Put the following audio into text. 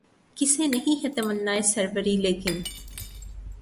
کسے نہیں ہے تمنائے سروری ، لیکن